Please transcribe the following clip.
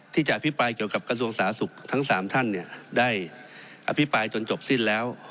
ที่จะอภิปรายเกี่ยวกับกระทรวงสาธารณสุขทั้ง๓ท่านได้อภิปรายจนจบสิ้นแล้ว